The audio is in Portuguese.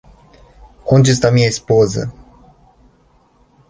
Onde está minha esposa?